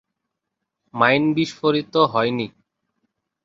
Mine বিস্ফোরিত হয়নি।